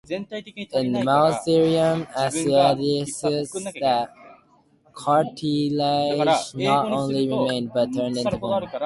In "Maotherium asiaticus", that cartilage not only remained, but turned into bone.